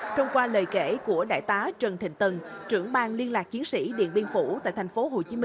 thông qua lời kể của đại tá trần thịnh tân trưởng bang liên lạc chiến sĩ điện biên phủ tại tp hcm